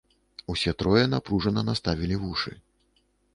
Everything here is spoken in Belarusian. Усе трое напружана наставілі вушы.